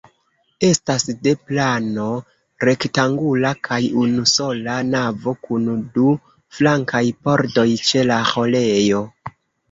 Estas de plano rektangula kaj unusola navo, kun du flankaj pordoj ĉe la ĥorejo.